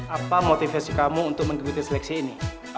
apa motivasi kamu untuk mengikuti seleksi ini